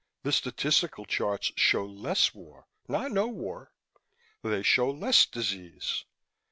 "The statistical charts show less war, not no war. They show less disease."